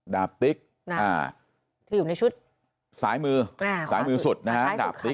ดาบติ๊กอ่าที่อยู่ในชุดซ้ายมืออ่าซ้ายมือสุดนะฮะซ้ายสุด